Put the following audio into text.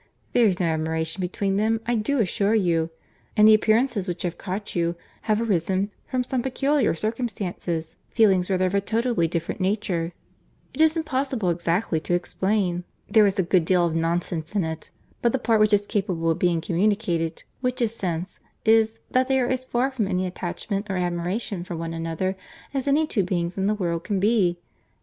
There is no admiration between them, I do assure you; and the appearances which have caught you, have arisen from some peculiar circumstances—feelings rather of a totally different nature—it is impossible exactly to explain:—there is a good deal of nonsense in it—but the part which is capable of being communicated, which is sense, is, that they are as far from any attachment or admiration for one another, as any two beings in the world can be.